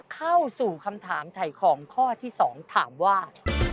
เข้าสู่คำถามถ่ายของข้อที่๒ถามว่า